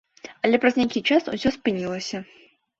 Але праз нейкі час усё спынілася.